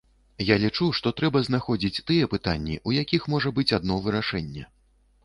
Я лічу, што трэба знаходзіць тыя пытанні, у якіх можа быць адно вырашэнне.